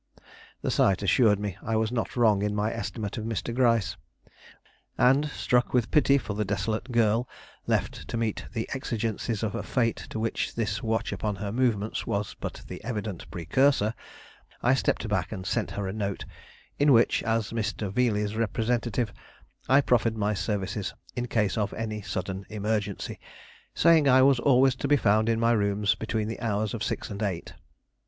The sight assured me I was not wrong in my estimate of Mr. Gryce; and, struck with pity for the desolate girl left to meet the exigencies of a fate to which this watch upon her movements was but the evident precursor, I stepped back and sent her a note, in which, as Mr. Veeley's representative, I proffered my services in case of any sudden emergency, saying I was always to be found in my rooms between the hours of six and eight.